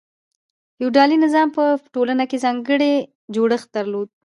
فیوډالي نظام په ټولنه کې ځانګړی جوړښت درلود.